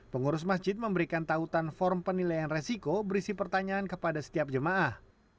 pengurus masjid memberikan tautan form penilaian resiko berisi pertanyaan kepada setiap jemaah